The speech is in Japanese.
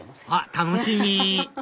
楽しみ！